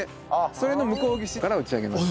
それの向こう岸から打ち上げます。